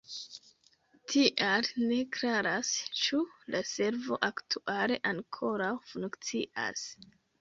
Tial ne klaras, ĉu la servo aktuale ankoraŭ funkcias.